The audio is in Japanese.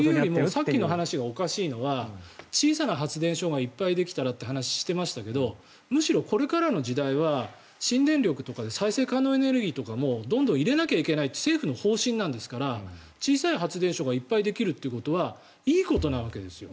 さっきの話がおかしいのが小さな発電所がいっぱいできたらという話をしていましたがむしろこれからの時代は新電力とか再生可能エネルギーとかもどんどん入れなきゃいけないという政府の方針なんですから小さな発電所がいっぱいできるというのはいいことなわけですよ。